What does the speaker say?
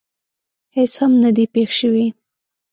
هېڅ هم نه دي پېښ شوي.